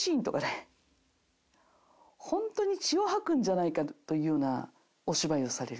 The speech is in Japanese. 本当に血を吐くんじゃないかというようなお芝居をされる。